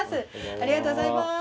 ありがとうございます。